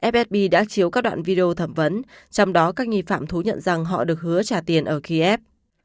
fsb đã chiếu các đoạn video thẩm vấn trong đó các nghi phạm thú nhận rằng họ được hứa trả tiền ở kiev